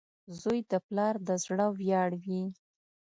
• زوی د پلار د زړۀ ویاړ وي.